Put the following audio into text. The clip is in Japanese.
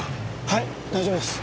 はい大丈夫です。